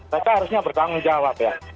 mereka harusnya bertanggung jawab ya